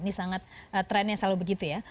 ini sangat trendnya selalu begitu ya